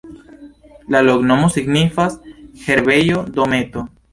La loknomo signifas: herbejo-dometo.